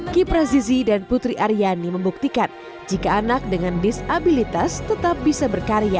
kipra zizi dan putri aryani membuktikan jika anak dengan disabilitas tetap bisa berkarya